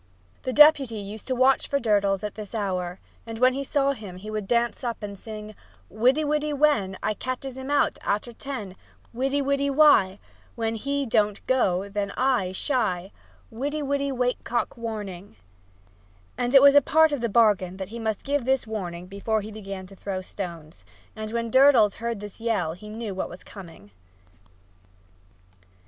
The Deputy used to watch for Durdles after this hour, and when he saw him he would dance up and sing: "Widdy, widdy, wen! I ketches him out arter ten! Widdy, widdy wy! When he don't go then I shy! Widdy, widdy, Wake Cock Warning!" It was a part of the bargain that he must give this warning before he began to throw the stones, and when Durdles heard this yell he knew what was coming.